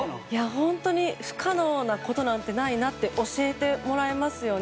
本当に不可能なことなんてないなって教えてもらえますよね。